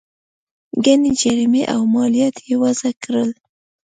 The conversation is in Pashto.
ګڼې جریمې او مالیات یې وضعه کړل.